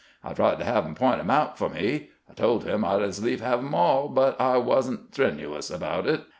I tried to have him p'int 'em out f o' me. I told him I 'd as lief have 'em all, but I was n't strenuous about it.